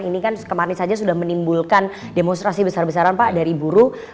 ini kan kemarin saja sudah menimbulkan demonstrasi besar besaran pak dari buruh